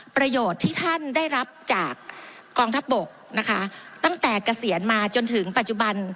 ประโยชน์ที่ท่านได้รับจากกองทัพบกนะคะตั้งแต่เกษียณมาจนถึงปัจจุบัน